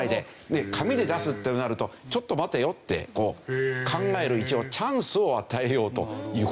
紙で出すってなるとちょっと待てよって考える一応チャンスを与えようという事らしいですけど。